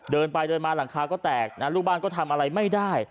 เดินไปเดินมาหลังคาก็แตกนะลูกบ้านก็ทำอะไรไม่ได้